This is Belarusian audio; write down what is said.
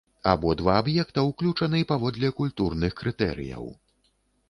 Абодва аб'екта ўключаны паводле культурных крытэрыяў.